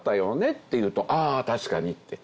って言うとああ確かにって。